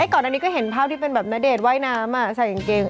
ก่อนอันนี้ก็เห็นภาพที่เป็นแบบณเดชน์ว่ายน้ำใส่กางเกง